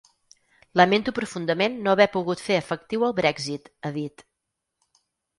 Lamento profundament no haver pogut fer efectiu el Brexit, ha dit.